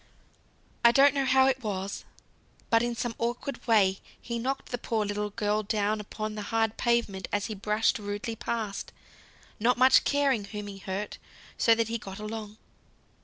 I don't know how it was, but in some awkward way he knocked the poor little girl down upon the hard pavement as he brushed rudely past, not much caring whom he hurt, so that he got along.